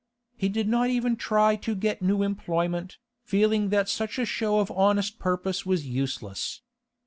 He did not even try to get new employment, feeling that such a show of honest purpose was useless.